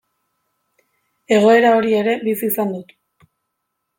Egoera hori ere bizi izan dut.